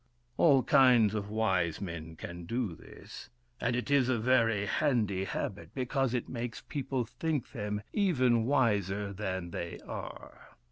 All kinds of wise men can do this, and it is a very handy habit, because it makes people think them even wiser than they are.